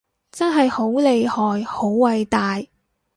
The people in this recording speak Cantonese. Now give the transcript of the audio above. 真係好厲害好偉大